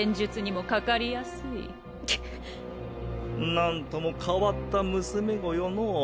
なんとも変わった娘子よのう。